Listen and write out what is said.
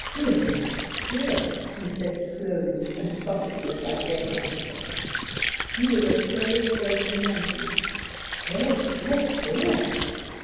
' Dern my skin 1' said he slowly and softly, as I came up to him. He was a slow spoken Yankee. ' Say, look there